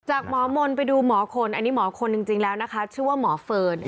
หมอมนต์ไปดูหมอคนอันนี้หมอคนจริงแล้วนะคะชื่อว่าหมอเฟิร์น